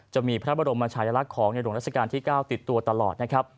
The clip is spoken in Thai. จะมีพระบรมชายลักษณ์ของในหลวงราชการที่๙ติดตัวตลอดนะครับ